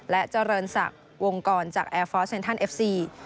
และเจริญศักดิ์วงกรจากแอร์ฟอร์สเซ็นทันเอฟซี